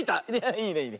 いいねいいね。